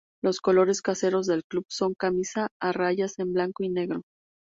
Los colores caseros del Club son: camisa a rayas en blanco y negro.